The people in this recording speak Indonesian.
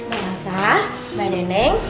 masa mbak deneng